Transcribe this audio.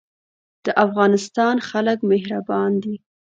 د افغانستان خلک مهربان دي